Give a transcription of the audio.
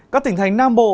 các tỉnh thành nam bộ